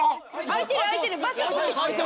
空いてる空いてる場所取ってきて。